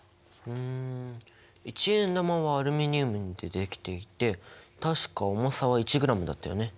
ん１円玉はアルミニウムで出来ていて確か重さは１ｇだったよね。